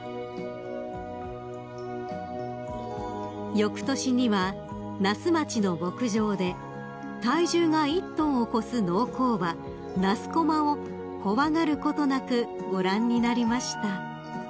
［よくとしには那須町の牧場で体重が１ｔを超す農耕馬那須駒を怖がることなくご覧になりました］